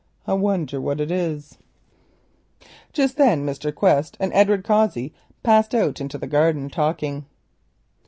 "I wonder what it is." Just then Mr. Quest and Edward Cossey passed out into the garden talking.